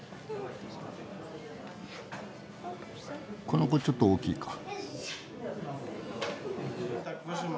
この子ちょっと大きいか。